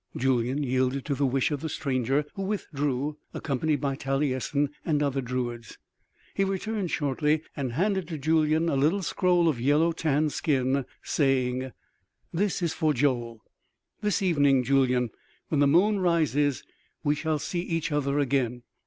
Julyan yielded to the wish of the stranger, who withdrew accompanied by Talyessin and other druids. He returned shortly and handed to Julyan a little scroll of yellow tanned skin, saying: "This is for Joel.... This evening, Julyan, when the moon rises we shall see each other again....